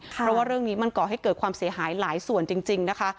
เพราะว่าเรื่องนี้มันก่อให้เกิดความเสียหายหลายส่วนจริงนะคะ